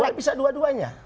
dua bisa dua duanya